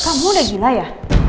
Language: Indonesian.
kamu udah gila ya